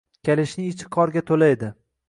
Kalishning ichi qorga to‘la edi.